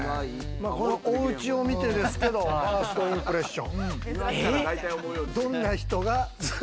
このおうちを見てですけれども、ファーストインプレッション、どんな人が。